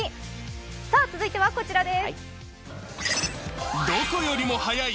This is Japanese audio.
続いてはこちらです。